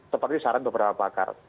seperti saran beberapa pakar